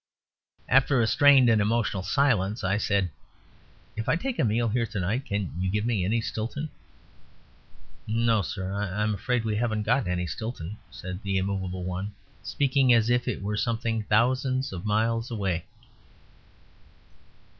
After a strained and emotional silence, I said, "If I take a meal here tonight can you give me any Stilton?" "No, sir; I'm afraid we haven't got any Stilton," said the immovable one, speaking as if it were something thousands of miles away.